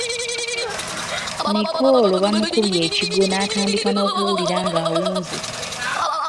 Mikolo bamukubye ekigwo n’atandika n'okuwulira ng'awunze.